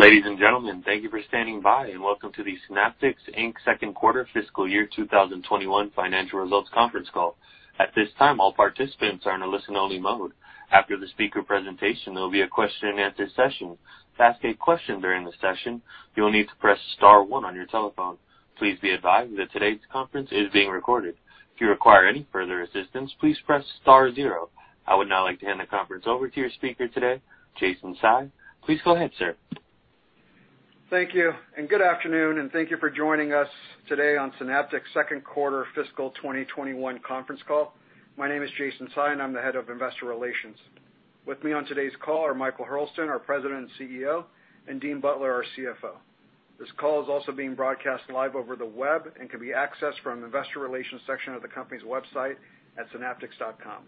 Ladies and gentlemen, thank you for standing by and welcome to the Synaptics Inc. second quarter fiscal year 2021 financial results conference call. At this time, all participants are in a listen-only mode. After the speaker presentation, there will be a question and answer session. To ask a question during the session, you will need to press star one on your telephone. Please be advised that today's conference is being recorded. If you require any further assistance, please press star zero. I would now like to hand the conference over to your speaker today, Jason Tsai. Please go ahead, sir. Thank you, and good afternoon, and thank you for joining us today on Synaptics' second quarter fiscal 2021 conference call. My name is Jason Tsai, and I'm the head of investor relations. With me on today's call are Michael Hurlston, our President and CEO, and Dean Butler, our CFO. This call is also being broadcast live over the web and can be accessed from the investor relations section of the company's website at synaptics.com.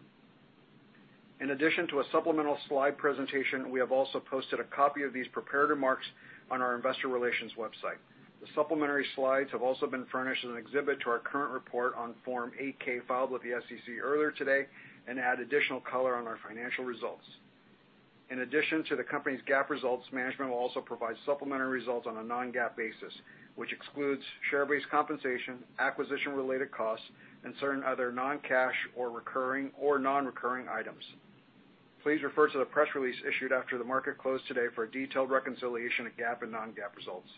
In addition to a supplemental slide presentation, we have also posted a copy of these prepared remarks on our investor relations website. The supplementary slides have also been furnished as an exhibit to our current report on Form 8-K filed with the SEC earlier today and add additional color on our financial results. In addition to the company's GAAP results, management will also provide supplementary results on a non-GAAP basis, which excludes share-based compensation, acquisition-related costs, and certain other non-cash or non-recurring items. Please refer to the press release issued after the market closed today for a detailed reconciliation of GAAP and non-GAAP results.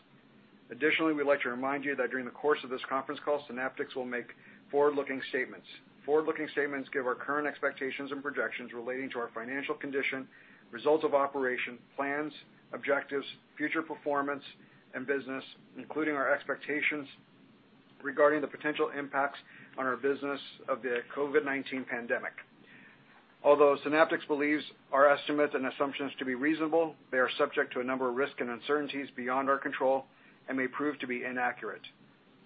Additionally, we'd like to remind you that during the course of this conference call, Synaptics will make forward-looking statements. Forward-looking statements give our current expectations and projections relating to our financial condition, results of operations, plans, objectives, future performance, and business, including our expectations regarding the potential impacts on our business of the COVID-19 pandemic. Although Synaptics believes our estimates and assumptions to be reasonable, they are subject to a number of risks and uncertainties beyond our control and may prove to be inaccurate.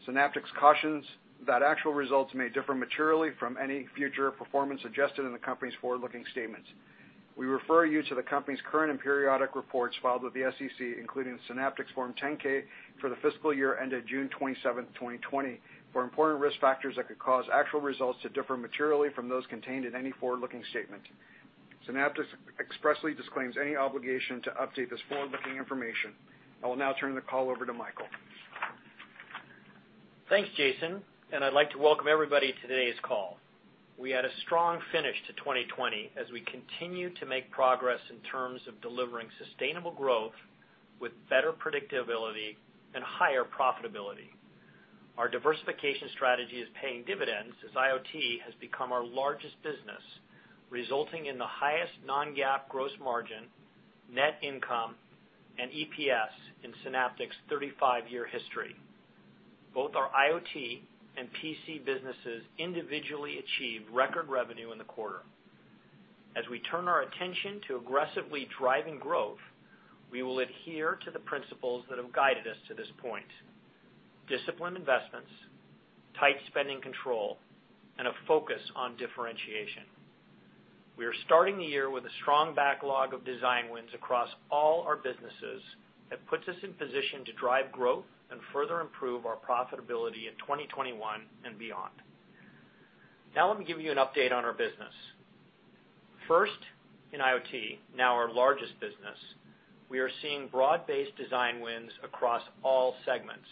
Synaptics cautions that actual results may differ materially from any future performance suggested in the company's forward-looking statements. We refer you to the company's current and periodic reports filed with the SEC, including Synaptics' Form 10-K for the fiscal year ended June 27th, 2020, for important risk factors that could cause actual results to differ materially from those contained in any forward-looking statement. Synaptics expressly disclaims any obligation to update this forward-looking information. I will now turn the call over to Michael. Thanks, Jason, and I'd like to welcome everybody to today's call. We had a strong finish to 2020 as we continue to make progress in terms of delivering sustainable growth with better predictability and higher profitability. Our diversification strategy is paying dividends as IoT has become our largest business, resulting in the highest non-GAAP gross margin, net income, and EPS in Synaptics' 35-year history. Both our IoT and PC businesses individually achieved record revenue in the quarter. As we turn our attention to aggressively driving growth, we will adhere to the principles that have guided us to this point: disciplined investments, tight spending control, and a focus on differentiation. We are starting the year with a strong backlog of design wins across all our businesses that puts us in position to drive growth and further improve our profitability in 2021 and beyond. Now let me give you an update on our business. First, in IoT, now our largest business, we are seeing broad-based design wins across all segments.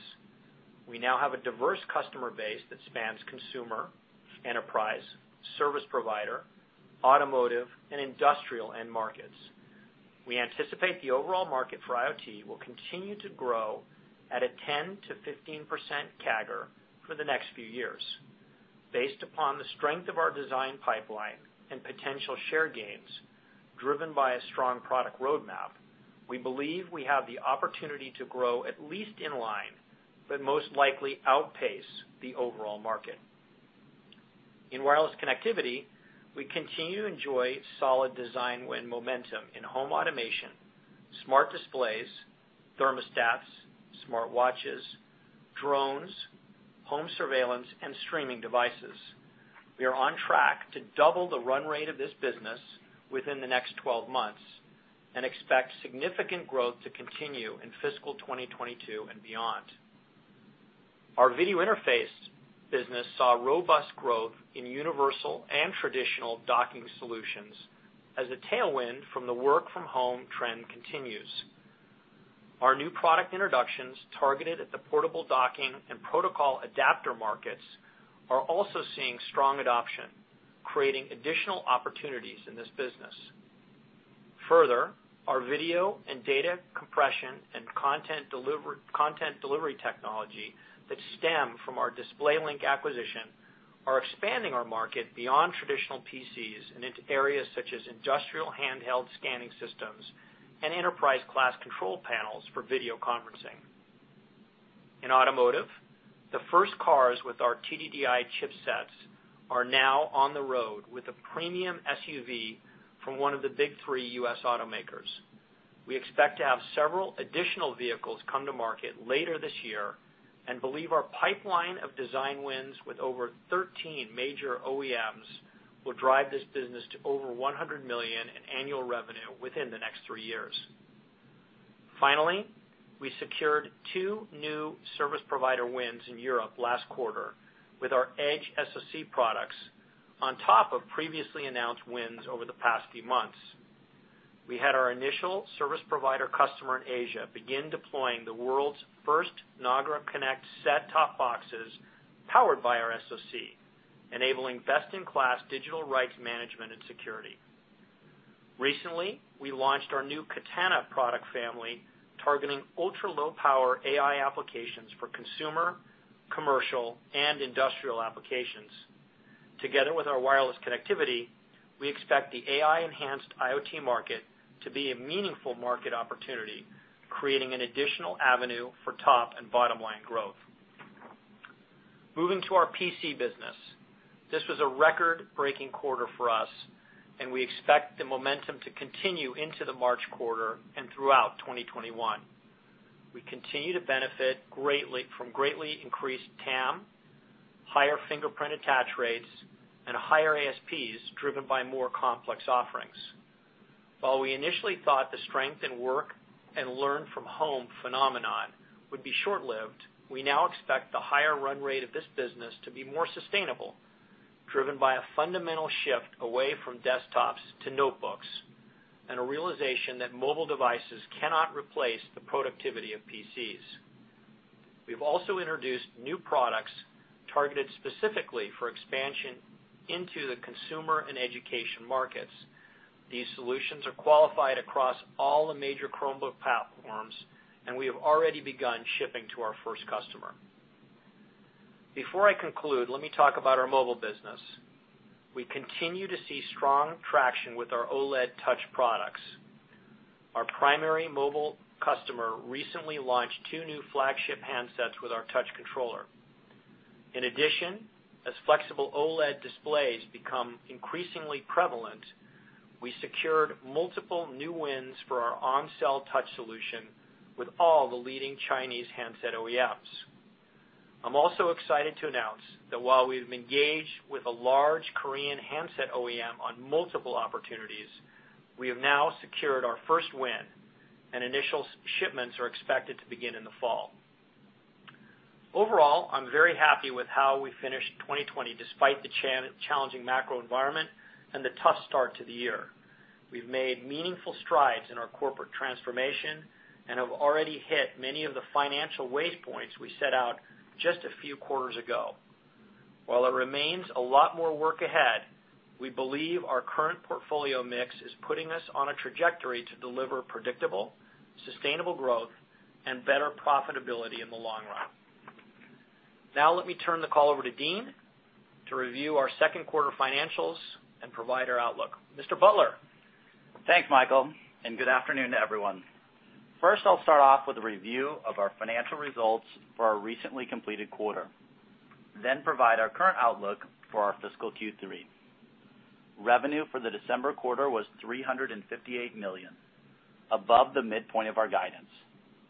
We now have a diverse customer base that spans consumer, enterprise, service provider, automotive, and industrial end markets. We anticipate the overall market for IoT will continue to grow at a 10%-15% CAGR for the next few years. Based upon the strength of our design pipeline and potential share gains driven by a strong product roadmap, we believe we have the opportunity to grow at least in line, but most likely outpace the overall market. In wireless connectivity, we continue to enjoy solid design win momentum in home automation, smart displays, thermostats, smartwatches, drones, home surveillance, and streaming devices. We are on track to double the run rate of this business within the next 12 months and expect significant growth to continue in fiscal 2022 and beyond. Our video interface business saw robust growth in universal and traditional docking solutions as a tailwind from the work-from-home trend continues. Our new product introductions targeted at the portable docking and protocol adapter markets are also seeing strong adoption, creating additional opportunities in this business. Further, our video and data compression and content delivery technology that stem from our DisplayLink acquisition are expanding our market beyond traditional PCs and into areas such as industrial handheld scanning systems and enterprise-class control panels for video conferencing. In automotive, the first cars with our TDDI chipsets are now on the road with a premium SUV from one of the big three U.S. automakers. We expect to have several additional vehicles come to market later this year and believe our pipeline of design wins with over 13 major OEMs will drive this business to over $100 million in annual revenue within the next three years. We secured two new service provider wins in Europe last quarter with our Edge SoC products on top of previously announced wins over the past few months. We had our initial service provider customer in Asia begin deploying the world's first NAGRA Connect set-top boxes powered by our SoC, enabling best-in-class digital rights management and security. Recently, we launched our new Katana product family, targeting ultra-low power AI applications for consumer, commercial, and industrial applications. Together with our wireless connectivity, we expect the AI-enhanced IoT market to be a meaningful market opportunity, creating an additional avenue for top and bottom-line growth. Moving to our PC business, this was a record-breaking quarter for us, and we expect the momentum to continue into the March quarter and throughout 2021. We continue to benefit from greatly increased TAM, higher fingerprint attach rates, and higher ASPs driven by more complex offerings. While we initially thought the strength in work and learn-from-home phenomenon would be short-lived, we now expect the higher run rate of this business to be more sustainable, driven by a fundamental shift away from desktops to notebooks, and a realization that mobile devices cannot replace the productivity of PCs. We've also introduced new products targeted specifically for expansion into the consumer and education markets. These solutions are qualified across all the major Chromebook platforms, and we have already begun shipping to our first customer. Before I conclude, let me talk about our mobile business. We continue to see strong traction with our OLED touch products. Our primary mobile customer recently launched two new flagship handsets with our touch controller. In addition, as flexible OLED displays become increasingly prevalent, we secured multiple new wins for our on-cell touch solution with all the leading Chinese handset OEMs. I'm also excited to announce that while we've engaged with a large Korean handset OEM on multiple opportunities, we have now secured our first win, and initial shipments are expected to begin in the fall. Overall, I'm very happy with how we finished 2020 despite the challenging macro environment and the tough start to the year. We've made meaningful strides in our corporate transformation and have already hit many of the financial waypoints we set out just a few quarters ago. While there remains a lot more work ahead, we believe our current portfolio mix is putting us on a trajectory to deliver predictable, sustainable growth, and better profitability in the long run. Now, let me turn the call over to Dean to review our second quarter financials and provide our outlook. Mr. Butler? Thanks, Michael, and good afternoon to everyone. First, I'll start off with a review of our financial results for our recently completed quarter, then provide our current outlook for our fiscal Q3. Revenue for the December quarter was $358 million, above the midpoint of our guidance.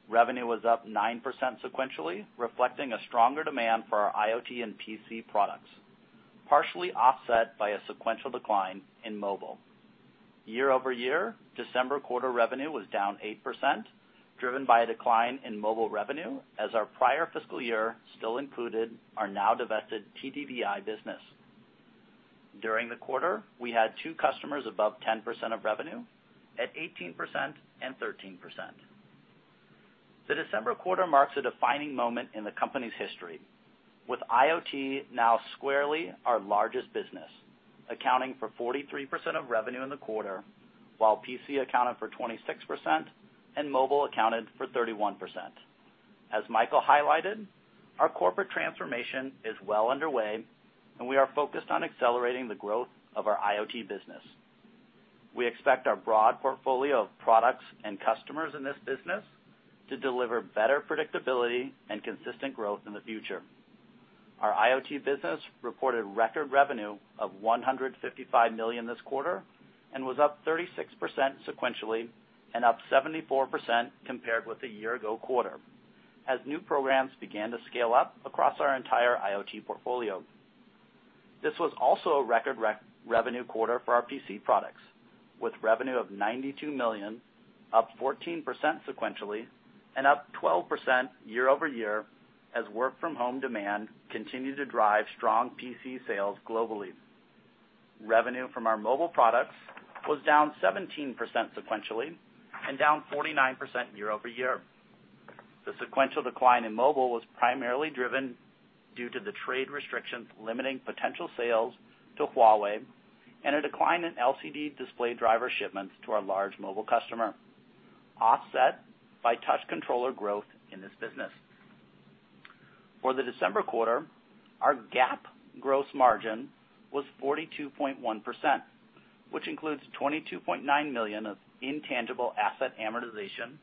Revenue was up 9% sequentially, reflecting a stronger demand for our IoT and PC products, partially offset by a sequential decline in mobile. year-over-year, December quarter revenue was down 8%, driven by a decline in mobile revenue as our prior fiscal year still included our now divested TDDI business. During the quarter, we had two customers above 10% of revenue at 18% and 13%. The December quarter marks a defining moment in the company's history, with IoT now squarely our largest business, accounting for 43% of revenue in the quarter, while PC accounted for 26% and mobile accounted for 31%. As Michael highlighted, our corporate transformation is well underway, and we are focused on accelerating the growth of our IoT business. We expect our broad portfolio of products and customers in this business to deliver better predictability and consistent growth in the future. Our IoT business reported record revenue of $155 million this quarter and was up 36% sequentially and up 74% compared with the year ago quarter, as new programs began to scale up across our entire IoT portfolio. This was also a record revenue quarter for our PC products, with revenue of $92 million, up 14% sequentially, and up 12% year-over-year, as work from home demand continued to drive strong PC sales globally. Revenue from our mobile products was down 17% sequentially and down 49% year-over-year. The sequential decline in mobile was primarily driven due to the trade restrictions limiting potential sales to Huawei and a decline in LCD display driver shipments to our large mobile customer, offset by touch controller growth in this business. For the December quarter, our GAAP gross margin was 42.1%, which includes $22.9 million of intangible asset amortization,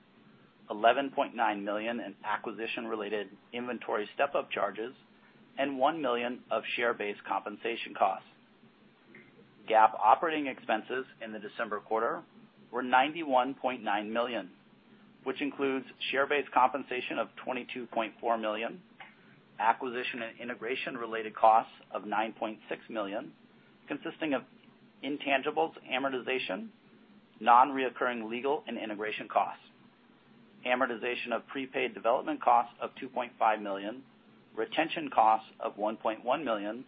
$11.9 million in acquisition-related inventory step-up charges, and $1 million of share-based compensation costs. GAAP operating expenses in the December quarter were $91.9 million, which includes share-based compensation of $22.4 million, acquisition and integration-related costs of $9.6 million, consisting of intangibles amortization, non-recurring legal and integration costs, amortization of prepaid development costs of $2.5 million, retention costs of $1.1 million,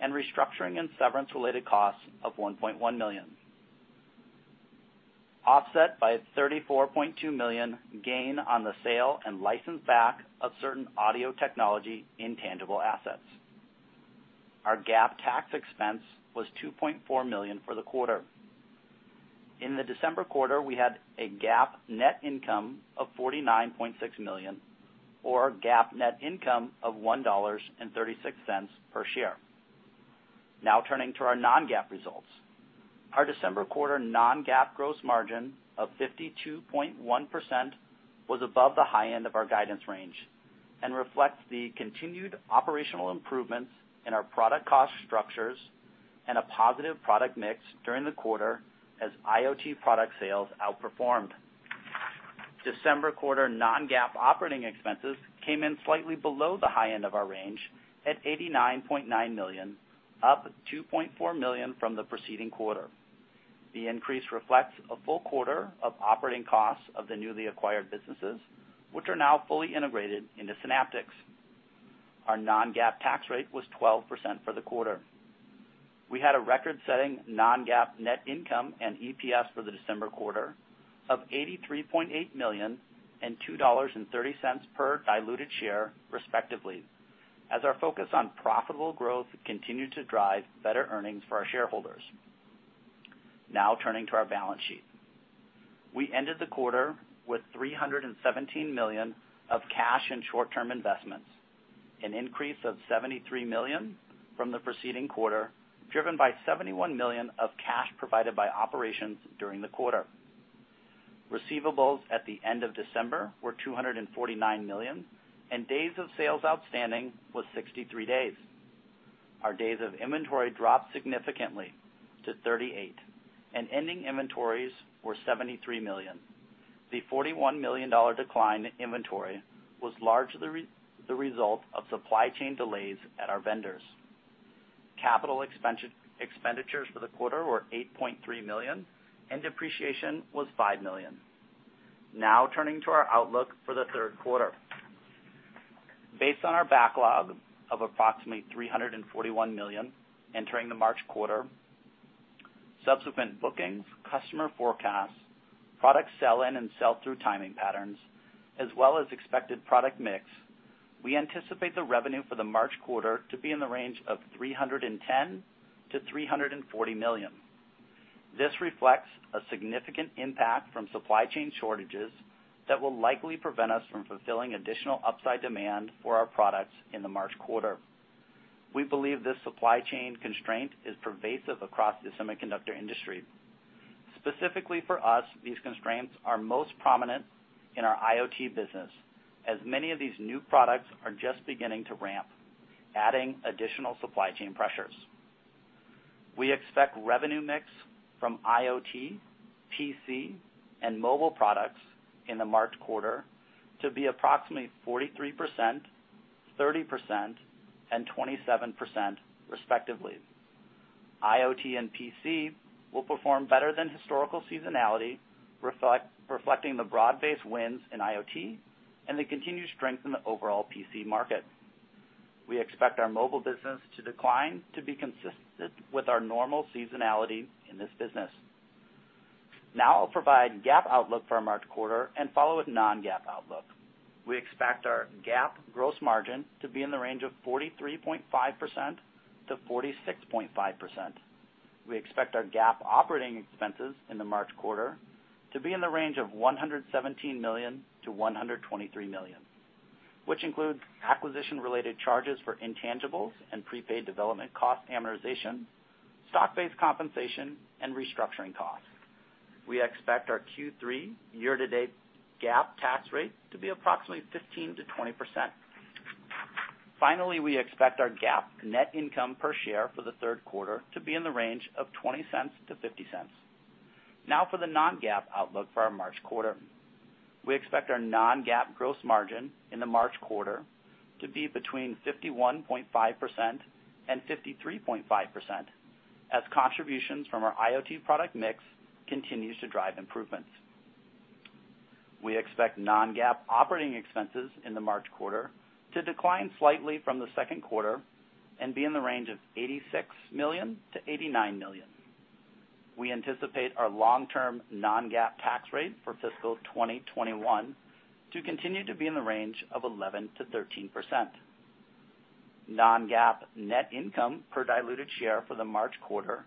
and restructuring and severance-related costs of $1.1 million, offset by a $34.2 million gain on the sale and license back of certain audio technology intangible assets. Our GAAP tax expense was $2.4 million for the quarter. In the December quarter, we had a GAAP net income of $49.6 million, or GAAP net income of $1.36 per share. Now turning to our non-GAAP results. Our December quarter non-GAAP gross margin of 52.1% was above the high end of our guidance range and reflects the continued operational improvements in our product cost structures and a positive product mix during the quarter as IoT product sales outperformed. December quarter non-GAAP operating expenses came in slightly below the high end of our range at $89.9 million, up $2.4 million from the preceding quarter. The increase reflects a full quarter of operating costs of the newly acquired businesses, which are now fully integrated into Synaptics. Our non-GAAP tax rate was 12% for the quarter. We had a record-setting non-GAAP net income and EPS for the December quarter of $83.8 million and $2.30 per diluted share, respectively, as our focus on profitable growth continued to drive better earnings for our shareholders. Now turning to our balance sheet. We ended the quarter with $317 million of cash and short-term investments, an increase of $73 million from the preceding quarter, driven by $71 million of cash provided by operations during the quarter. Receivables at the end of December were $249 million, and days of sales outstanding was 63 days. Our days of inventory dropped significantly to 38, and ending inventories were $73 million. The $41 million decline in inventory was largely the result of supply chain delays at our vendors. Capital expenditures for the quarter were $8.3 million, and depreciation was $5 million. Now turning to our outlook for the third quarter. Based on our backlog of approximately $341 million entering the March quarter, subsequent bookings, customer forecasts, product sell-in and sell-through timing patterns, as well as expected product mix, we anticipate the revenue for the March quarter to be in the range of $310 million-$340 million. This reflects a significant impact from supply chain shortages that will likely prevent us from fulfilling additional upside demand for our products in the March quarter. We believe this supply chain constraint is pervasive across the semiconductor industry. Specifically for us, these constraints are most prominent in our IoT business, as many of these new products are just beginning to ramp, adding additional supply chain pressures. We expect revenue mix from IoT, PC, and mobile products in the March quarter to be approximately 43%, 30%, and 27%, respectively. IoT and PC will perform better than historical seasonality, reflecting the broad-based wins in IoT and the continued strength in the overall PC market. We expect our mobile business to decline to be consistent with our normal seasonality in this business. I'll provide GAAP outlook for our March quarter and follow with non-GAAP outlook. We expect our GAAP gross margin to be in the range of 43.5%-46.5%. We expect our GAAP operating expenses in the March quarter to be in the range of $117 million-$123 million, which includes acquisition-related charges for intangibles and prepaid development cost amortization, stock-based compensation, and restructuring costs. We expect our Q3 year-to-date GAAP tax rate to be approximately 15%-20%. We expect our GAAP net income per share for the third quarter to be in the range of $0.20-$0.50. For the non-GAAP outlook for our March quarter. We expect our non-GAAP gross margin in the March quarter to be between 51.5% and 53.5%, as contributions from our IoT product mix continues to drive improvements. We expect non-GAAP operating expenses in the March quarter to decline slightly from the second quarter and be in the range of $86 million-$89 million. We anticipate our long-term non-GAAP tax rate for fiscal 2021 to continue to be in the range of 11%-13%. Non-GAAP net income per diluted share for the March quarter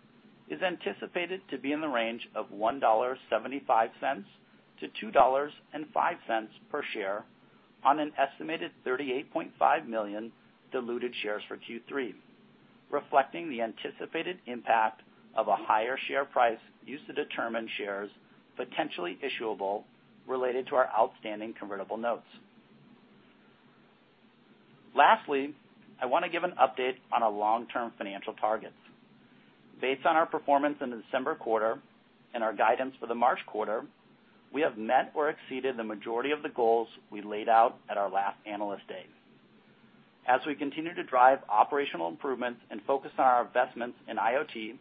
is anticipated to be in the range of $1.75-$2.05 per share on an estimated 38.5 million diluted shares for Q3, reflecting the anticipated impact of a higher share price used to determine shares potentially issuable related to our outstanding convertible notes. Lastly, I want to give an update on our long-term financial targets. Based on our performance in the December quarter and our guidance for the March quarter, we have met or exceeded the majority of the goals we laid out at our last Analyst Day. As we continue to drive operational improvements and focus on our investments in IoT,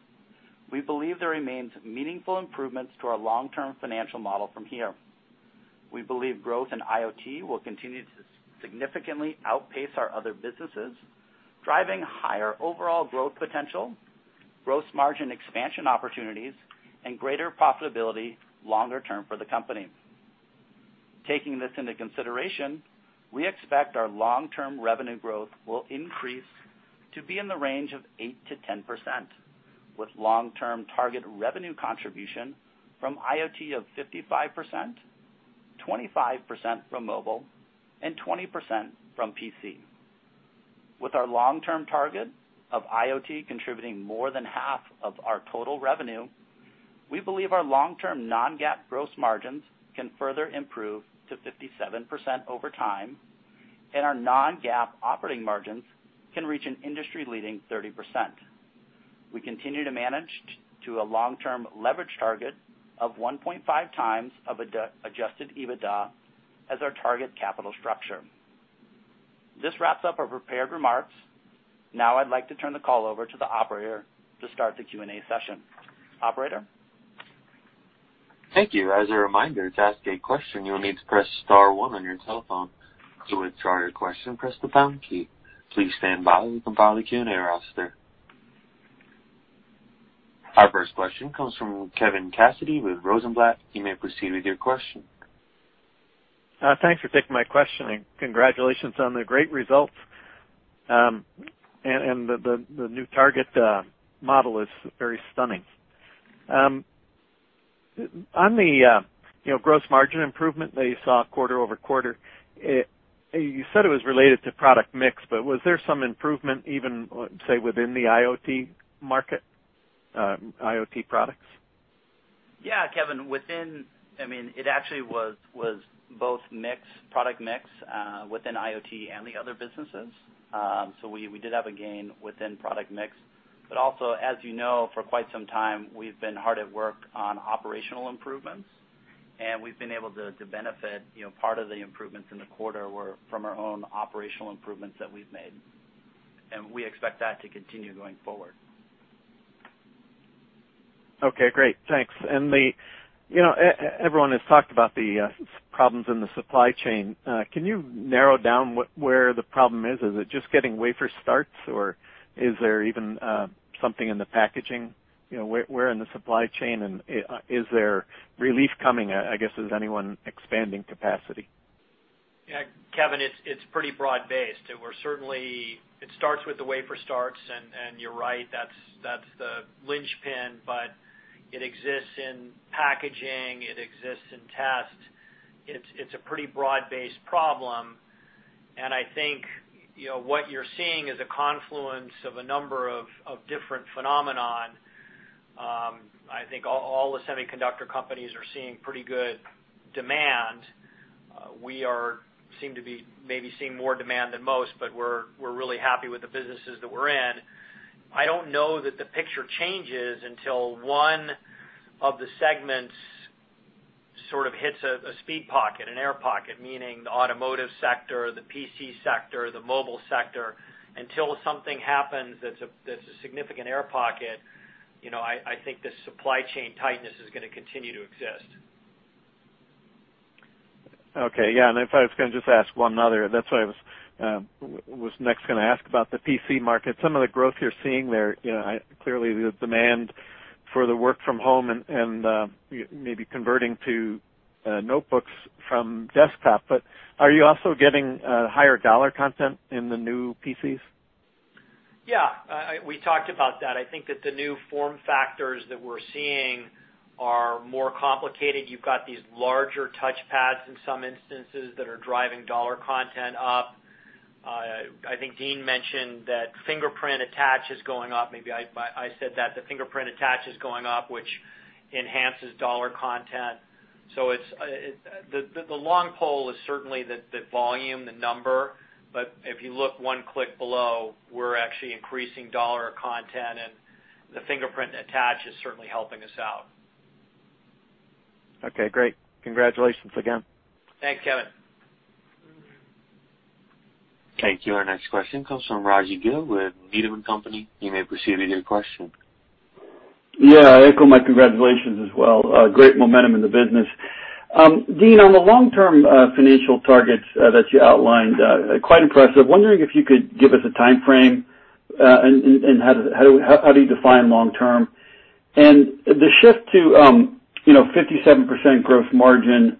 we believe there remains meaningful improvements to our long-term financial model from here. We believe growth in IoT will continue to significantly outpace our other businesses, driving higher overall growth potential, gross margin expansion opportunities, and greater profitability longer term for the company. Taking this into consideration, we expect our long-term revenue growth will increase to be in the range of 8%-10%, with long-term target revenue contribution from IoT of 55%, 25% from mobile, and 20% from PC. With our long-term target of IoT contributing more than half of our total revenue, we believe our long-term non-GAAP gross margins can further improve to 57% over time, and our non-GAAP operating margins can reach an industry-leading 30%. We continue to manage to a long-term leverage target of 1.5 times of adjusted EBITDA as our target capital structure. This wraps up our prepared remarks. Now I'd like to turn the call over to the operator to start the Q&A session. Operator? Thank you. As a reminder, to ask a question, you'll need to press star one on your telephone. To withdraw your question, press the pound key. Please stand by while we compile the Q&A roster. Our first question comes from Kevin Cassidy with Rosenblatt. You may proceed with your question. Thanks for taking my question, and congratulations on the great results. The new target model is very stunning. On the gross margin improvement that you saw quarter-over-quarter, you said it was related to product mix, but was there some improvement even, say, within the IoT market, IoT products? Yeah, Kevin. It actually was both product mix within IoT and the other businesses. We did have a gain within product mix. Also, as you know, for quite some time, we've been hard at work on operational improvements, and we've been able to benefit. Part of the improvements in the quarter were from our own operational improvements that we've made, and we expect that to continue going forward. Okay, great. Thanks. Everyone has talked about the problems in the supply chain. Can you narrow down where the problem is? Is it just getting wafer starts, or is there even something in the packaging? Where in the supply chain, is there relief coming? I guess, is anyone expanding capacity? Yeah, Kevin, it's pretty broad-based. It starts with the wafer starts, and you're right, that's the linchpin, but it exists in packaging, it exists in test. It's a pretty broad-based problem, and I think what you're seeing is a confluence of a number of different phenomenon. I think all the semiconductor companies are seeing pretty good demand. We seem to be maybe seeing more demand than most, but we're really happy with the businesses that we're in. I don't know that the picture changes until one of the segments sort of hits a speed pocket, an air pocket, meaning the automotive sector, the PC sector, the mobile sector. Until something happens that's a significant air pocket, I think the supply chain tightness is going to continue to exist. Okay. Yeah, I was going to just ask one other. That's what I was next going to ask about the PC market. Some of the growth you're seeing there, clearly the demand for the work from home and maybe converting to notebooks from desktop. Are you also getting higher dollar content in the new PCs? We talked about that. I think that the new form factors that we're seeing are more complicated. You've got these larger touch pads in some instances that are driving dollar content up. I think Dean mentioned that fingerprint attach is going up. Maybe I said that. The fingerprint attach is going up, which enhances dollar content. The long pole is certainly the volume, the number. If you look one click below, we're actually increasing dollar content, and the fingerprint attach is certainly helping us out. Okay, great. Congratulations again. Thanks, Kevin. Thank you. Our next question comes from Raji Gill with Needham & Company. You may proceed with your question. Yeah. I echo my congratulations as well. Great momentum in the business. Dean, on the long-term financial targets that you outlined, quite impressive. Wondering if you could give us a timeframe, and how do you define long-term? The shift to 57% gross margin,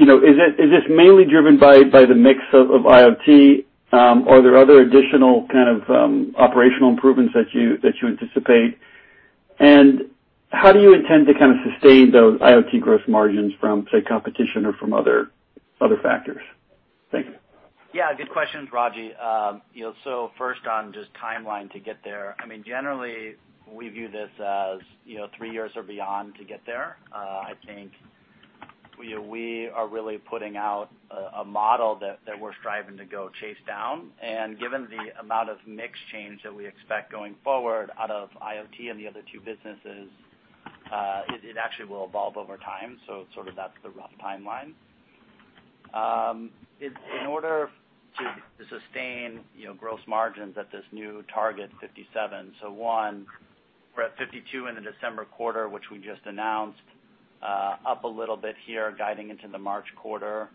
is this mainly driven by the mix of IoT? Are there other additional kind of operational improvements that you anticipate? How do you intend to kind of sustain those IoT gross margins from, say, competition or from other factors? Thank you. Yeah. Good questions, Raji. First on just timeline to get there, generally we view this as three years or beyond to get there. We are really putting out a model that we're striving to go chase down. Given the amount of mix change that we expect going forward out of IoT and the other two businesses, it actually will evolve over time. That's the rough timeline. In order to sustain gross margins at this new target 57%. One, we're at 52% in the December quarter, which we just announced, up a little bit here guiding into the March quarter.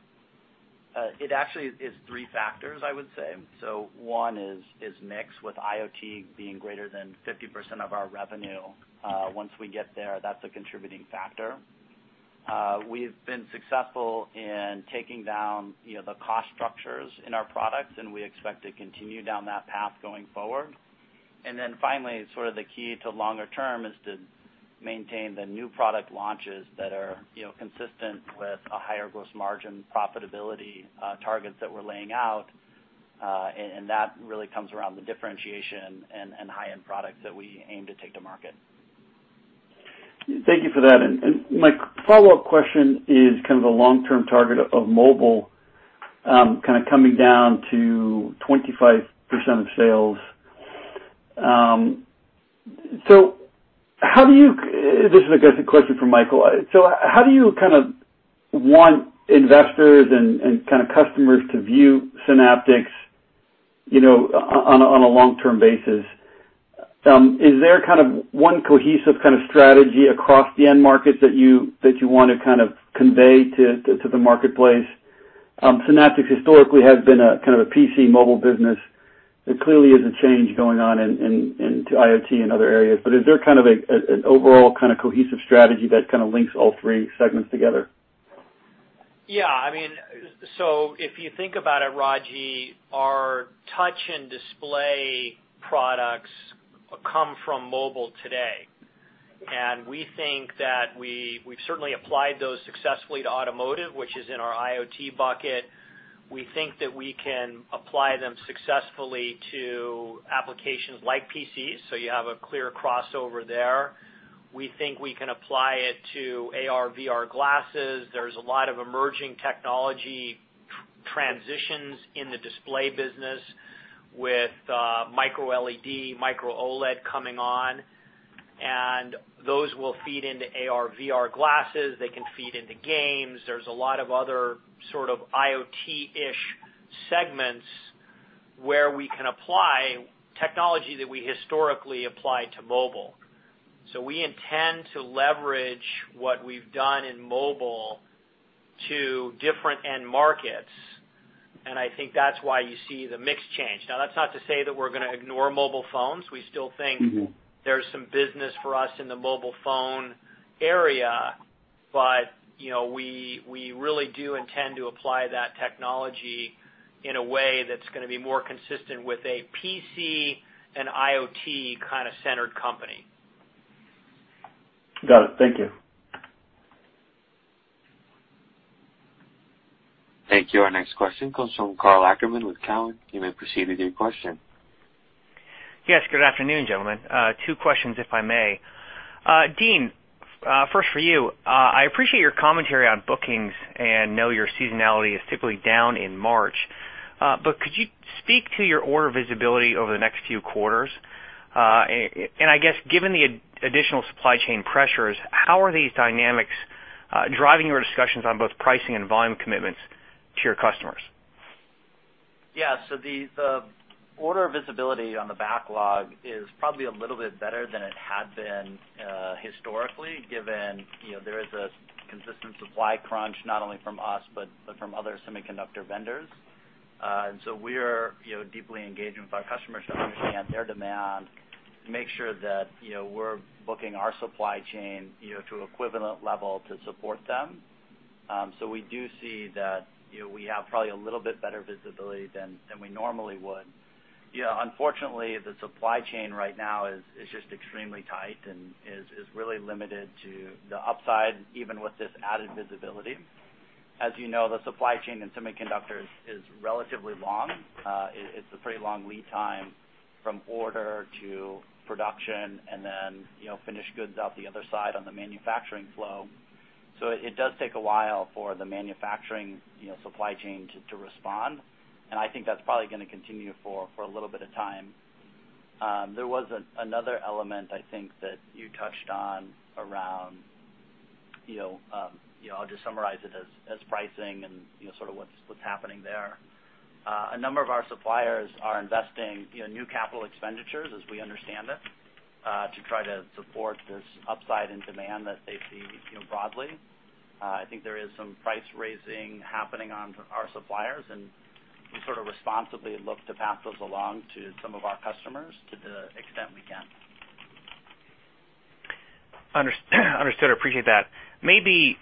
It actually is three factors, I would say. One is mix, with IoT being greater than 50% of our revenue. Once we get there, that's a contributing factor. We've been successful in taking down the cost structures in our products, and we expect to continue down that path going forward. Finally, sort of the key to longer term is to maintain the new product launches that are consistent with a higher gross margin profitability targets that we're laying out, and that really comes around the differentiation and high-end products that we aim to take to market. Thank you for that. My follow-up question is kind of the long-term target of mobile, kind of coming down to 25% of sales. This is, I guess, a question for Michael. How do you kind of want investors and kind of customers to view Synaptics on a long-term basis? Is there kind of one cohesive kind of strategy across the end market that you want to kind of convey to the marketplace? Synaptics historically has been a kind of a PC mobile business. There clearly is a change going on into IoT and other areas. Is there kind of an overall kind of cohesive strategy that kind of links all three segments together? If you think about it, Raji, our touch and display products come from mobile today, and we think that we've certainly applied those successfully to automotive, which is in our IoT bucket. We think that we can apply them successfully to applications like PCs, so you have a clear crossover there. We think we can apply it to AR/VR glasses. There's a lot of emerging technology transitions in the display business with micro LED, micro OLED coming on, and those will feed into AR/VR glasses. They can feed into games. There's a lot of other sort of IoT-ish segments where we can apply technology that we historically applied to mobile. We intend to leverage what we've done in mobile to different end markets, and I think that's why you see the mix change. That's not to say that we're going to ignore mobile phones. We still think there's some business for us in the mobile phone area, but we really do intend to apply that technology in a way that's going to be more consistent with a PC and IoT kind of centered company. Got it. Thank you. Thank you. Our next question comes from Karl Ackerman with Cowen. You may proceed with your question. Yes. Good afternoon, gentlemen. Two questions, if I may. Dean, first for you. I appreciate your commentary on bookings and know your seasonality is typically down in March. Could you speak to your order visibility over the next few quarters? I guess, given the additional supply chain pressures, how are these dynamics driving your discussions on both pricing and volume commitments to your customers? Yeah. The order visibility on the backlog is probably a little bit better than it had been historically, given there is a consistent supply crunch, not only from us, but from other semiconductor vendors. We're deeply engaged with our customers to understand their demand to make sure that we're booking our supply chain to equivalent level to support them. We do see that we have probably a little bit better visibility than we normally would. Unfortunately, the supply chain right now is just extremely tight and is really limited to the upside, even with this added visibility. As you know, the supply chain in semiconductors is relatively long. It's a pretty long lead time from order to production and then finished goods out the other side on the manufacturing flow. It does take a while for the manufacturing supply chain to respond, and I think that's probably going to continue for a little bit of time. There was another element, I think, that you touched on around, I'll just summarize it as pricing and sort of what's happening there. A number of our suppliers are investing new capital expenditures, as we understand it, to try to support this upside in demand that they see broadly. I think there is some price raising happening on our suppliers, and we sort of responsibly look to pass those along to some of our customers to the extent we can. Understood. I appreciate that. Maybe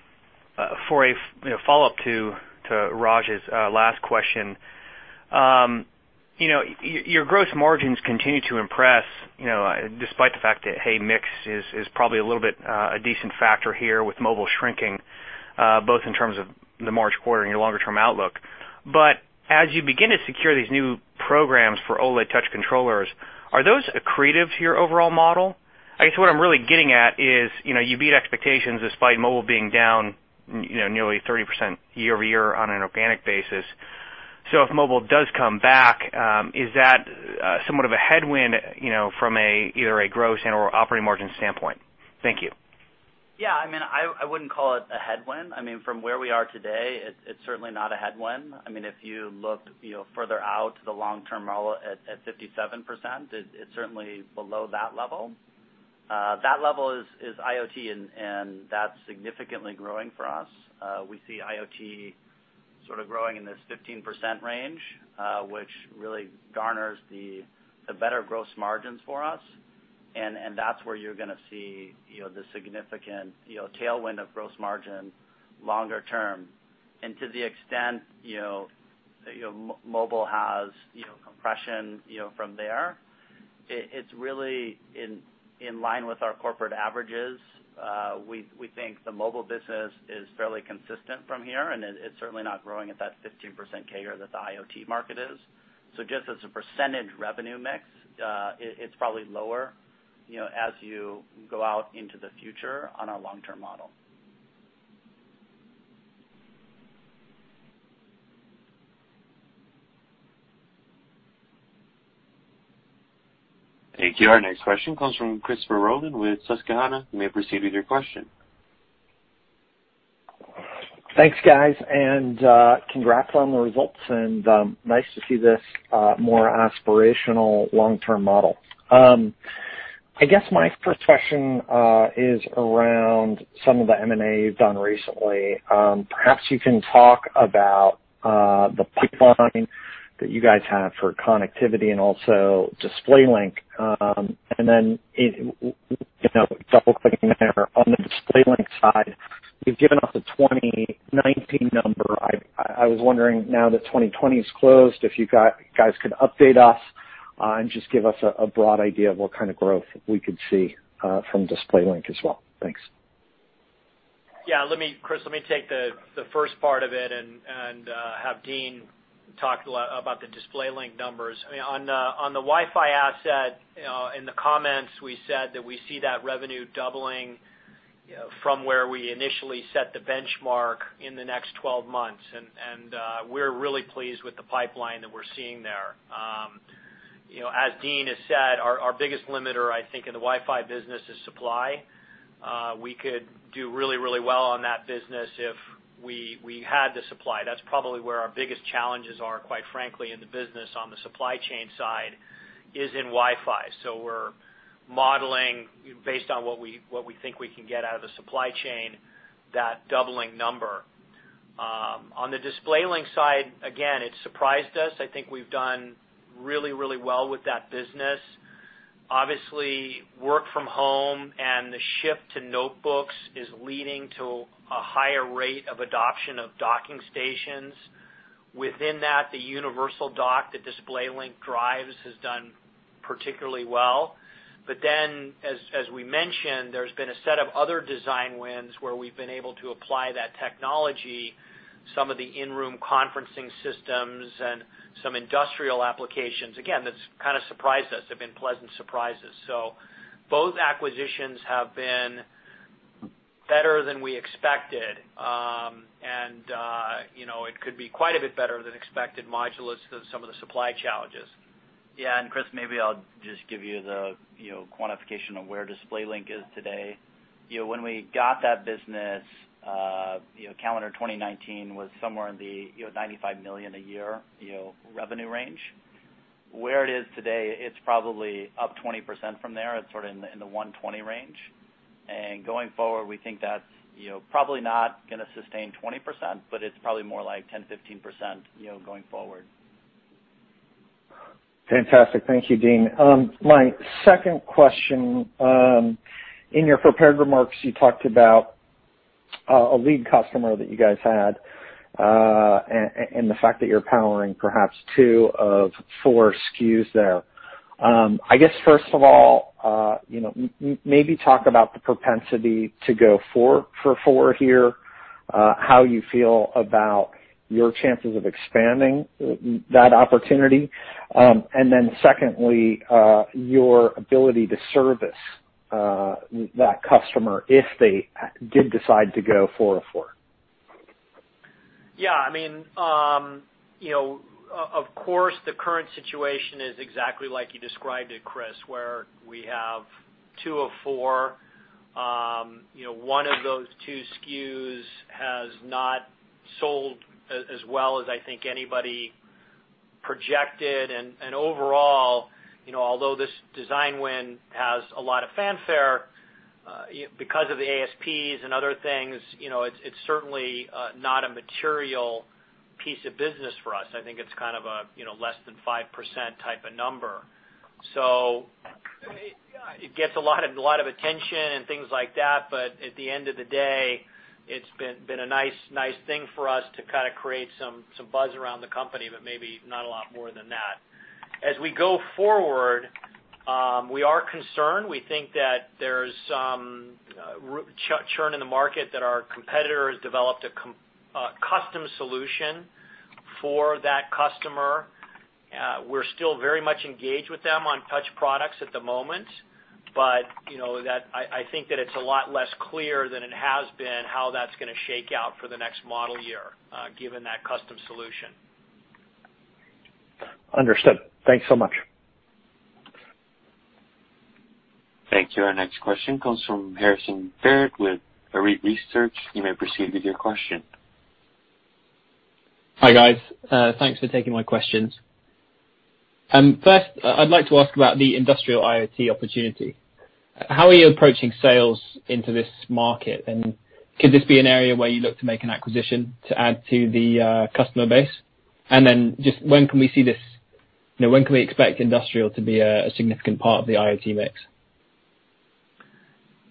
for a follow-up to Raji's last question. Your gross margins continue to impress despite the fact that, hey, mix is probably a little bit a decent factor here with mobile shrinking, both in terms of the March quarter and your longer term outlook. As you begin to secure these new programs for OLED touch controllers, are those accretive to your overall model? I guess what I'm really getting at is, you beat expectations despite mobile being down nearly 30% year-over-year on an organic basis. If mobile does come back, is that somewhat of a headwind from either a gross and/or operating margin standpoint? Thank you. Yeah, I wouldn't call it a headwind. From where we are today, it's certainly not a headwind. If you looked further out to the long-term model at 57%, it's certainly below that level. That level is IoT, that's significantly growing for us. We see IoT sort of growing in this 15% range, which really garners the better gross margins for us, that's where you're going to see the significant tailwind of gross margin longer term. To the extent mobile has compression from there, it's really in line with our corporate averages. We think the mobile business is fairly consistent from here, it's certainly not growing at that 15% CAGR that the IoT market is. Just as a percentage revenue mix, it's probably lower, as you go out into the future on our long-term model. Thank you. Our next question comes from Chris Rolland with Susquehanna. You may proceed with your question. Thanks, guys, and congrats on the results and nice to see this more aspirational long-term model. I guess my first question is around some of the M&A you've done recently. Perhaps you can talk about the pipeline that you guys have for connectivity and also DisplayLink. Double-clicking there, on the DisplayLink side, you've given us a 2019 number. I was wondering now that 2020 is closed, if you guys could update us and just give us a broad idea of what kind of growth we could see from DisplayLink as well. Thanks. Yeah, Chris, let me take the first part of it and have Dean talk about the DisplayLink numbers. On the Wi-Fi asset, in the comments, we said that we see that revenue doubling from where we initially set the benchmark in the next 12 months. We're really pleased with the pipeline that we're seeing there. As Dean has said, our biggest limiter, I think, in the Wi-Fi business is supply. We could do really well on that business if we had the supply. That's probably where our biggest challenges are, quite frankly, in the business on the supply chain side, is in Wi-Fi. We're modeling based on what we think we can get out of the supply chain, that doubling number. On the DisplayLink side, again, it surprised us. I think we've done really well with that business. Obviously, work from home and the shift to notebooks is leading to a higher rate of adoption of docking stations. Within that, the universal dock that DisplayLink drives has done particularly well. As we mentioned, there's been a set of other design wins where we've been able to apply that technology, some of the in-room conferencing systems and some industrial applications. Again, that's kind of surprised us. They've been pleasant surprises. Both acquisitions have been better than we expected. It could be quite a bit better than expected, modulo some of the supply challenges. Yeah. Chris, maybe I'll just give you the quantification of where DisplayLink is today. When we got that business, calendar 2019 was somewhere in the $95 million a year revenue range. Where it is today, it's probably up 20% from there. It's sort of in the $120 range. Going forward, we think that's probably not going to sustain 20%, but it's probably more like 10%-15% going forward. Fantastic. Thank you, Dean. My second question. In your prepared remarks, you talked about a lead customer that you guys had, and the fact that you're powering perhaps two of four SKUs there. I guess, first of all, maybe talk about the propensity to go four for four here, how you feel about your chances of expanding that opportunity. Secondly, your ability to service that customer if they did decide to go four of four. Of course, the current situation is exactly like you described it, Chris, where we have two of four. One of those two SKUs has not sold as well as I think anybody projected. Overall, although this design win has a lot of fanfare, because of the ASPs and other things, it's certainly not a material piece of business for us. I think it's kind of a less than 5% type of number. It gets a lot of attention and things like that. At the end of the day, it's been a nice thing for us to kind of create some buzz around the company, but maybe not a lot more than that. As we go forward, we are concerned. We think that there's some churn in the market that our competitor has developed a custom solution for that customer We're still very much engaged with them on touch products at the moment. I think that it's a lot less clear than it has been how that's going to shake out for the next model year, given that custom solution. Understood. Thanks so much. Thank you. Our next question comes from Harrison Barrett with Arete Research. You may proceed with your question. Hi, guys. Thanks for taking my questions. First, I'd like to ask about the industrial IoT opportunity. How are you approaching sales into this market, and could this be an area where you look to make an acquisition to add to the customer base? Just when can we expect industrial to be a significant part of the IoT mix?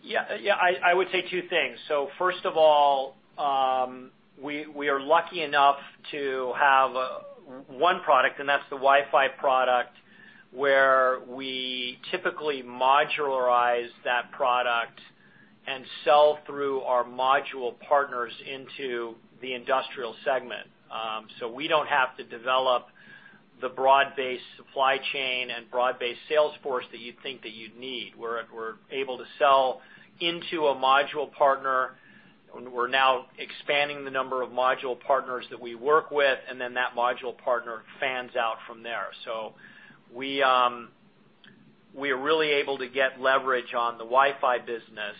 Yeah. I would say two things. First of all, we are lucky enough to have one product, and that's the Wi-Fi product, where we typically modularize that product and sell through our module partners into the industrial segment. We don't have to develop the broad-based supply chain and broad-based sales force that you'd think that you'd need. We're able to sell into a module partner. We're now expanding the number of module partners that we work with, and then that module partner fans out from there. We are really able to get leverage on the Wi-Fi business.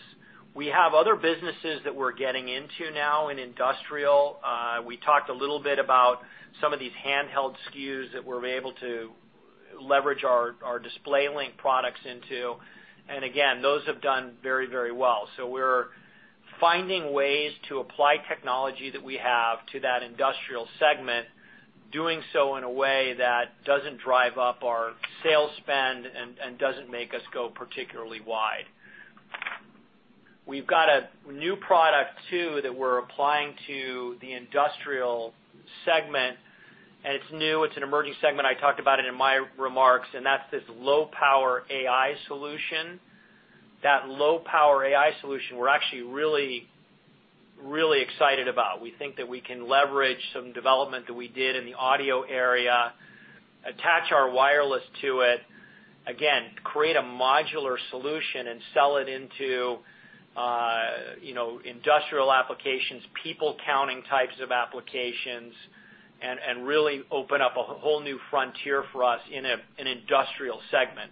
We have other businesses that we're getting into now in industrial. We talked a little bit about some of these handheld SKUs that we're able to leverage our DisplayLink products into, and again, those have done very well. We're finding ways to apply technology that we have to that industrial segment, doing so in a way that doesn't drive up our sales spend and doesn't make us go particularly wide. We've got a new product, too, that we're applying to the industrial segment, and it's new. It's an emerging segment. I talked about it in my remarks, that's this low-power AI solution. That low-power AI solution, we're actually really excited about. We think that we can leverage some development that we did in the audio area, attach our wireless to it, again, create a modular solution and sell it into industrial applications, people counting types of applications, and really open up a whole new frontier for us in an industrial segment.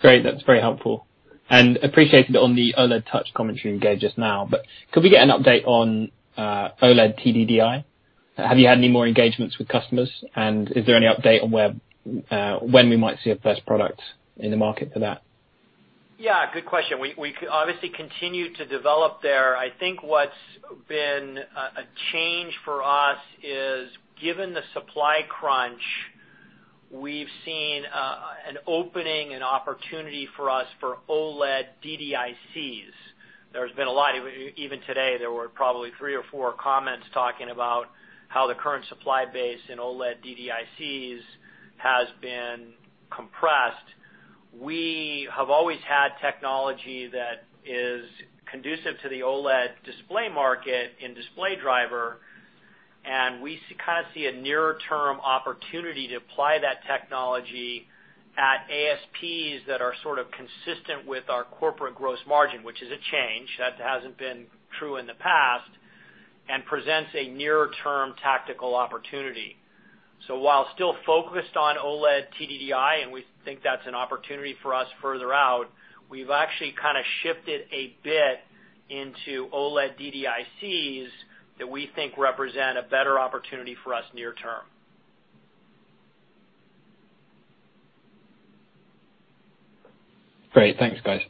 Great. That's very helpful. Appreciated on the OLED touch commentary you gave just now. Could we get an update on OLED TDDI? Have you had any more engagements with customers, and is there any update on when we might see a first product in the market for that? Yeah, good question. We obviously continue to develop there. I think what's been a change for us is, given the supply crunch, we've seen an opening, an opportunity for us for OLED DDICs. There's been a lot, even today, there were probably three or four comments talking about how the current supply base in OLED DDICs has been compressed. We have always had technology that is conducive to the OLED display market in display driver, and we kind of see a nearer-term opportunity to apply that technology at ASPs that are sort of consistent with our corporate gross margin, which is a change. That hasn't been true in the past and presents a nearer-term tactical opportunity. While still focused on OLED TDDI, and we think that's an opportunity for us further out, we've actually kind of shifted a bit into OLED DDICs that we think represent a better opportunity for us near term. Great. Thanks, guys.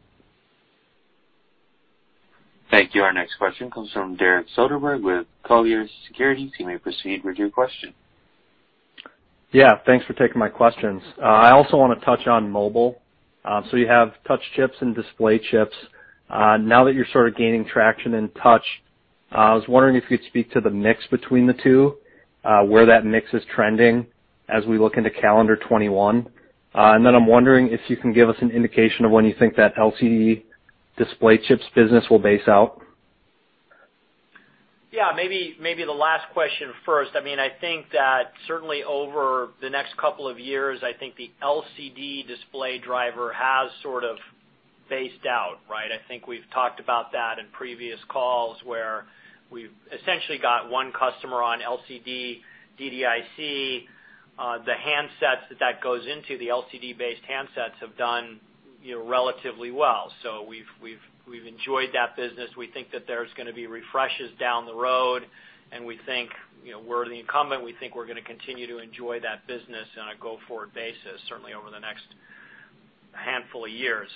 Thank you. Our next question comes from Derek Soderberg with Colliers Securities. You may proceed with your question. Thanks for taking my questions. I also want to touch on mobile. You have touch chips and display chips. Now that you're sort of gaining traction in touch, I was wondering if you'd speak to the mix between the two, where that mix is trending as we look into calendar 2021. I'm wondering if you can give us an indication of when you think that LCD display chips business will base out. Yeah, maybe the last question first. I think that certainly over the next couple of years, I think the LCD display driver has sort of based out, right? I think we've talked about that in previous calls, where we've essentially got one customer on LCD DDIC. The handsets that goes into the LCD-based handsets have done relatively well. We've enjoyed that business. We think that there's going to be refreshes down the road, and we think we're the incumbent. We think we're going to continue to enjoy that business on a go-forward basis, certainly over the next handful of years.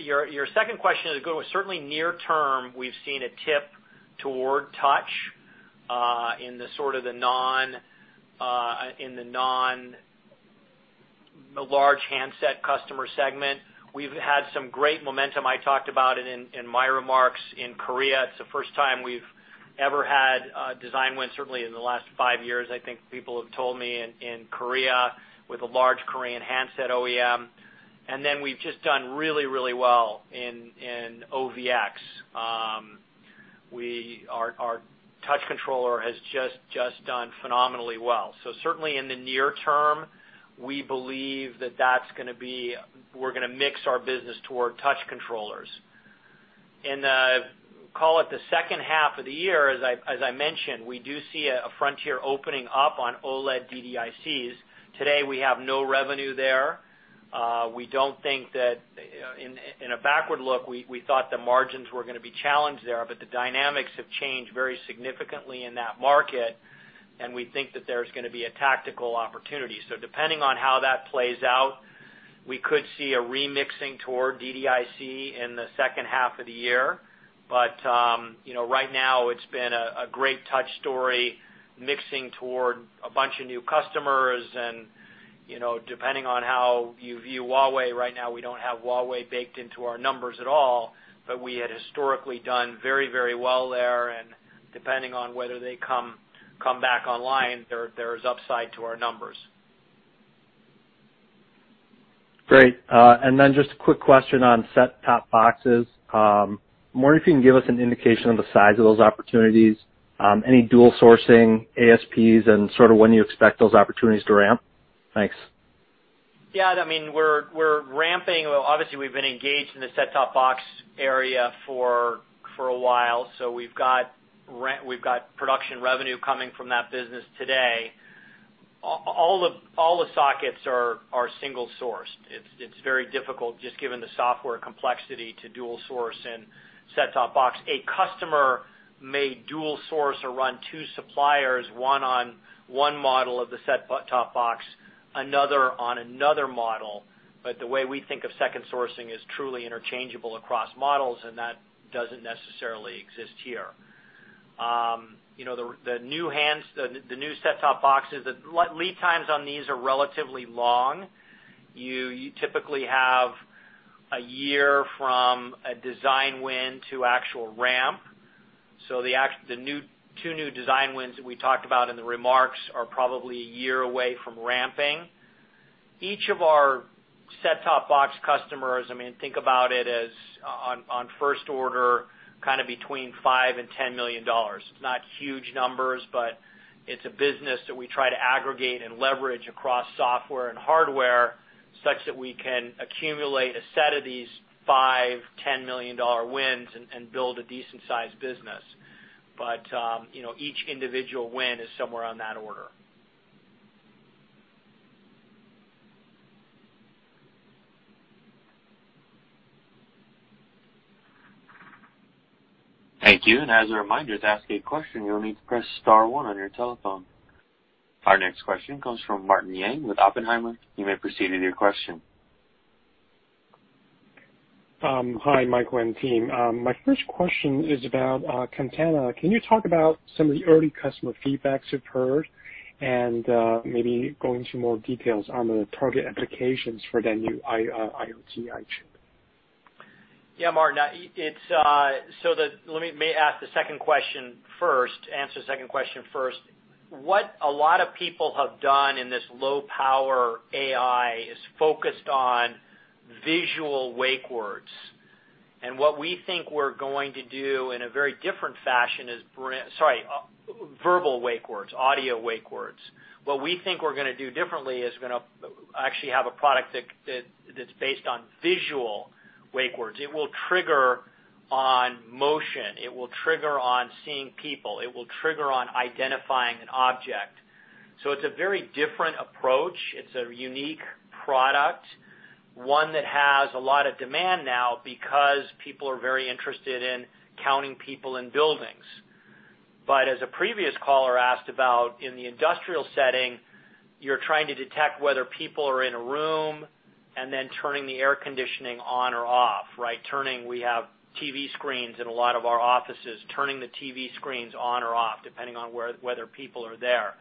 Your second question is good. Certainly near term, we've seen a tip toward touch in the sort of the non-large handset customer segment. We've had some great momentum. I talked about it in my remarks in Korea. It's the first time we've ever had a design win, certainly in the last five years, I think people have told me in Korea with a large Korean handset OEM. Then we've just done really, really well in OVX. Our touch controller has just done phenomenally well. Certainly in the near term, we believe that we're going to mix our business toward touch controllers. In the, call it the second half of the year, as I mentioned, we do see a frontier opening up on OLED DDICs. Today, we have no revenue there. We don't think that in a backward look, we thought the margins were going to be challenged there, the dynamics have changed very significantly in that market, and we think that there's going to be a tactical opportunity. Depending on how that plays out, we could see a remixing toward DDIC in the second half of the year. Right now it's been a great touch story, mixing toward a bunch of new customers and, depending on how you view Huawei, right now, we don't have Huawei baked into our numbers at all, but we had historically done very well there, and depending on whether they come back online, there's upside to our numbers. Great. Just a quick question on set-top boxes. I'm wondering if you can give us an indication of the size of those opportunities, any dual sourcing ASPs, and sort of when you expect those opportunities to ramp? Thanks. We're ramping. Obviously, we've been engaged in the set-top box area for a while, so we've got production revenue coming from that business today. All the sockets are single sourced. It's very difficult, just given the software complexity to dual source in set-top box. A customer may dual source or run two suppliers, one on one model of the set-top box, another on another model. The way we think of second sourcing is truly interchangeable across models, and that doesn't necessarily exist here. The new set-top boxes, lead times on these are relatively long. You typically have a year from a design win to actual ramp. The two new design wins that we talked about in the remarks are probably a year away from ramping. Each of our set-top box customers, think about it as on first order, kind of between $5 million and $10 million. It's not huge numbers, but it's a business that we try to aggregate and leverage across software and hardware such that we can accumulate a set of these $5, $10 million wins and build a decent sized business. Each individual win is somewhere on that order. Thank you. As a reminder, to ask a question, you'll need to press star one on your telephone. Our next question comes from Martin Yang with Oppenheimer. You may proceed with your question. Hi, Michael and team. My first question is about Katana. Can you talk about some of the early customer feedbacks you've heard, and maybe go into more details on the target applications for the new IoT AI chip? Yeah, Martin. Let me ask the second question first, answer the second question first. What a lot of people have done in this low power AI is focused on visual wake words. What we think we're going to do in a very different fashion is bring Sorry, verbal wake words, audio wake words. What we think we're going to do differently is going to actually have a product that's based on visual wake words. It will trigger on motion. It will trigger on seeing people. It will trigger on identifying an object. It's a very different approach. It's a unique product, one that has a lot of demand now because people are very interested in counting people in buildings. As a previous caller asked about, in the industrial setting, you're trying to detect whether people are in a room and then turning the air conditioning on or off, right? We have TV screens in a lot of our offices, turning the TV screens on or off, depending on whether people are there.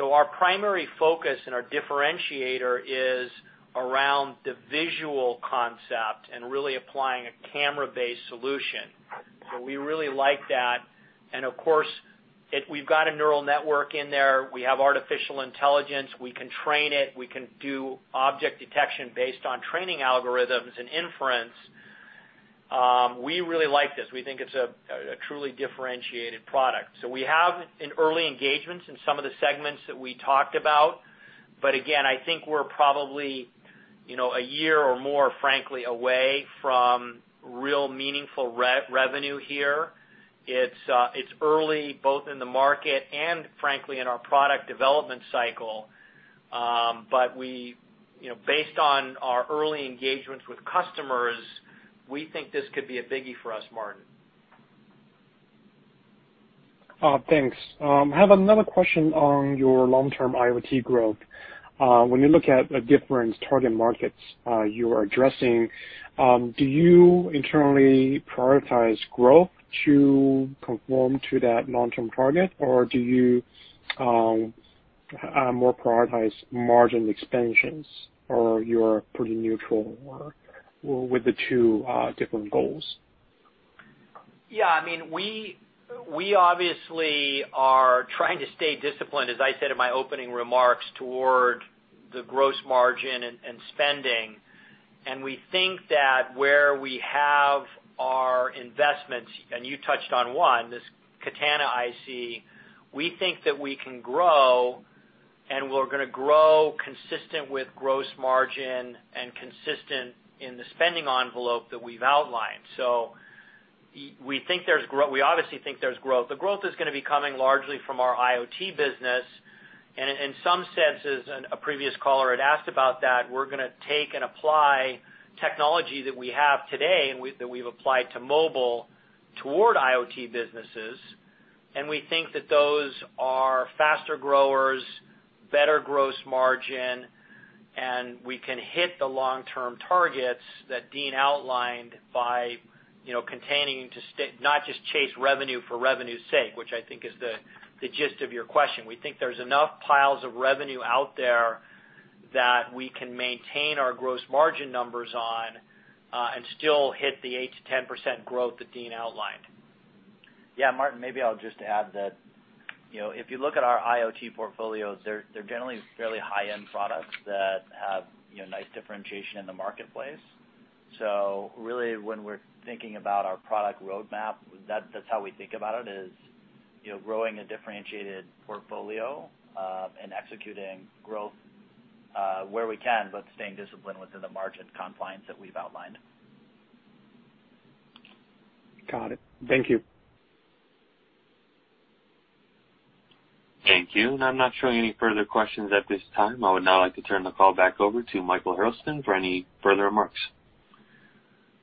Our primary focus and our differentiator is around the visual concept and really applying a camera-based solution. We really like that. Of course, we've got a neural network in there. We have artificial intelligence. We can train it. We can do object detection based on training algorithms and inference. We really like this. We think it's a truly differentiated product. We have early engagements in some of the segments that we talked about, but again, I think we're probably a year or more, frankly, away from real meaningful revenue here. It's early, both in the market and frankly, in our product development cycle. Based on our early engagements with customers, we think this could be a biggie for us, Martin. Thanks. I have another question on your long-term IoT growth. When you look at the different target markets you are addressing, do you internally prioritize growth to conform to that long-term target, or do you more prioritize margin expansions, or you're pretty neutral with the two different goals? Yeah. We obviously are trying to stay disciplined, as I said in my opening remarks, toward the gross margin and spending. We think that where we have our investments, and you touched on one, this Katana SoC, we think that we can grow, and we're going to grow consistent with gross margin and consistent in the spending envelope that we've outlined. We obviously think there's growth. The growth is going to be coming largely from our IoT business. In some senses, a previous caller had asked about that, we're going to take and apply technology that we have today and that we've applied to mobile toward IoT businesses. We think that those are faster growers, better gross margin, and we can hit the long-term targets that Dean outlined by containing to not just chase revenue for revenue's sake, which I think is the gist of your question. We think there's enough piles of revenue out there that we can maintain our gross margin numbers on, and still hit the 8%-10% growth that Dean outlined. Yeah, Martin, maybe I'll just add that if you look at our IoT portfolios, they're generally fairly high-end products that have nice differentiation in the marketplace. Really, when we're thinking about our product roadmap, that's how we think about it, is growing a differentiated portfolio, and executing growth, where we can, but staying disciplined within the margin compliance that we've outlined. Got it. Thank you. Thank you. I'm not showing any further questions at this time. I would now like to turn the call back over to Michael Hurlston for any further remarks.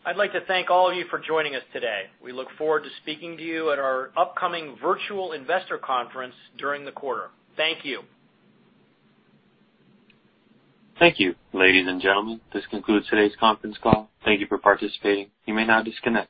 I'd like to thank all of you for joining us today. We look forward to speaking to you at our upcoming virtual investor conference during the quarter. Thank you. Thank you. Ladies and gentlemen, this concludes today's conference call. Thank you for participating. You may now disconnect.